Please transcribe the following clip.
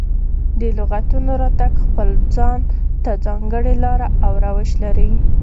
د لغتونو راتګ خپل ځان ته ځانګړې لاره او روش لري.